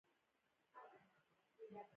همکاري